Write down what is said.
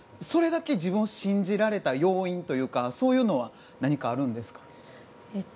それだけ自分を信じられた要因というのは何かあるんですか？